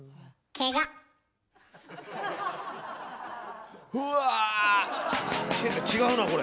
けが違うなこれ。